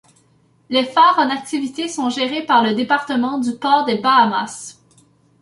Les phares en activité sont gérés par le département du port des Bahamas.